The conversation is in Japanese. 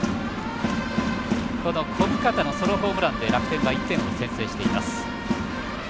小深田のソロホームランで楽天は１点を先制しています。